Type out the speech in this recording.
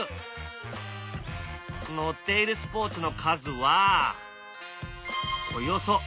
載っているスポーツの数は。